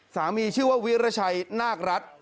ชื่อว่าวิรชัยนาครัฐ